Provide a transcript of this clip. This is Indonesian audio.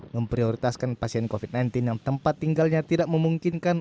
memprioritaskan pasien covid sembilan belas yang tempat tinggalnya tidak memungkinkan